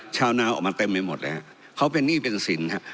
ชาวนาออกมาเต็มไปหมดเลยฮะเขาเป็นหนี้เป็นสินฮะ